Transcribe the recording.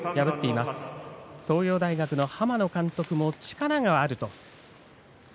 東洋大学の濱野監督も力があると。